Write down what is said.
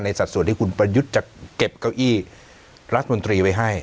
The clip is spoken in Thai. สัดส่วนที่คุณประยุทธ์จะเก็บเก้าอี้รัฐมนตรีไว้ให้